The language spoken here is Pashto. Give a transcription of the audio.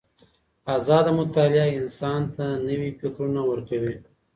ازاده مطالعه انسان ته نوي فکرونه ورکوي.